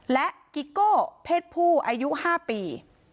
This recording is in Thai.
และกิโก้เพศผู้อายุ๕ปี